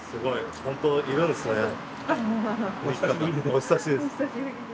お久しぶりです。